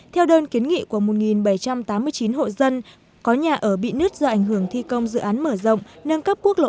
theo đơn kiến nghị của một bảy trăm tám mươi chín hộ dân có nhà ở bị nứt do ảnh hưởng thi công dự án mở rộng nâng cấp quốc lộ một